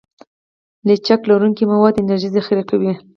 لچک لرونکي مواد انرژي ذخیره کوي.